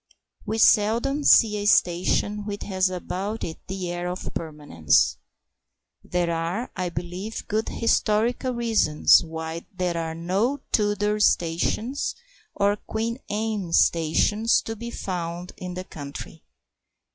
We seldom see a station which has about it the air of permanence. There are, I believe good historical reasons why there are no Tudor stations or Queen Anne stations to be found in the country.